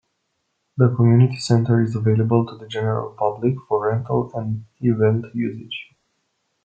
The community center is available to the general public for rental and event usage.